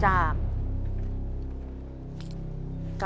ฮาวะละพร้อม